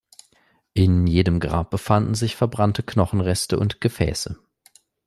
In jedem Grab befanden sich verbrannte Knochenreste und Gefäße.